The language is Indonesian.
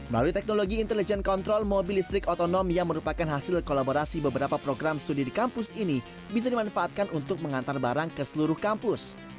melalui teknologi intelligent control mobil listrik otonom yang merupakan hasil kolaborasi beberapa program studi di kampus ini bisa dimanfaatkan untuk mengantar barang ke seluruh kampus